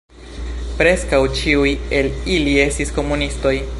Preskaŭ ĉiuj el ili estis komunistoj.